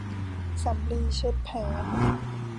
สำลีเช็ดแผล